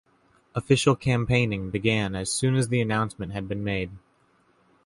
Official campaigning began as soon as the announcement had been made.